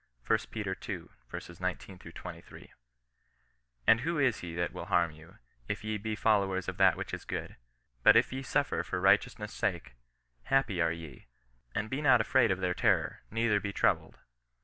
1 Peter ii. 19 — 23. " And who is he that will haim you, if ye be followers of that which is good ? But if ye suffer for righteousness sake, happy are ye ; and be not afraid of their terror, neither be troubled."